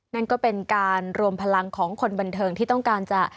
นั่นก็เป็นการรวมพลังของคนบันเทิงที่ต้องการจะ